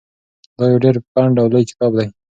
دا یو ډېر پنډ او لوی کتاب دی.